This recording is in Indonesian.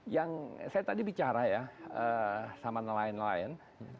yang saya tadi bicara ya sama nelayan nelayan